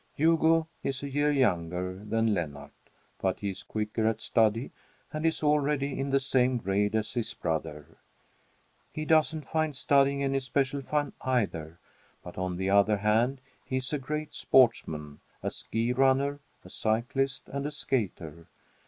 Hugo is a year younger than Lennart, but he is quicker at study and is already in the same grade as his brother. He doesn't find studying any special fun, either; but, on the other hand, he is a great sportsman a ski runner, a cyclist, and a skater.